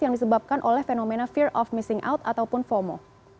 yang disebabkan oleh fenomena fear of missing out ataupun fomo